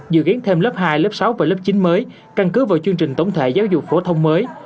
dự kiến thêm lớp hai lớp sáu và lớp chín mới căn cứ vào chương trình tổng thể giáo dục phổ thông mới